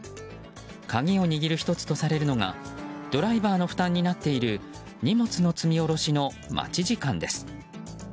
鍵を握る１つとされるのがドライバーの負担になっている荷物の積み下ろしの待ち時間です。